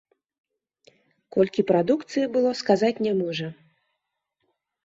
Колькі прадукцыі было, сказаць не можа.